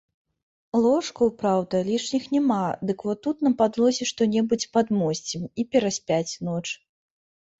Ложкаў, праўда, лішніх няма, дык во тут на падлозе што-небудзь падмосцім, і пераспяць ноч.